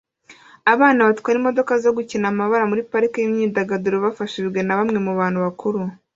Abana batwara imodoka zo gukina amabara muri parike yimyidagaduro bafashijwe na bamwe mubantu bakuru